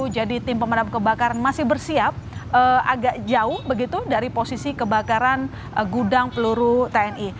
jadi tim pemadam kebakaran masih bersiap agak jauh dari posisi kebakaran gudang peluru tni